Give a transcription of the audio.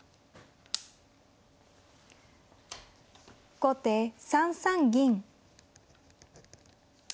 後手３三銀。